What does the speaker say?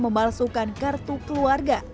membalasukan kartu keluarga